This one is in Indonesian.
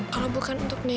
kalau bukan untuk nenek